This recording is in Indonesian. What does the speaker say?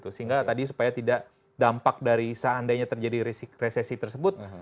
sehingga tadi supaya tidak dampak dari seandainya terjadi resesi tersebut